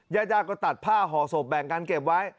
ยายาก็ตัดผ้าห่อศพแบ่งกันเก็บไว้